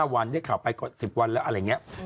๑๕วันได้ข่าวไปกว่า๑๐วันแล้วอะไรเงี้ย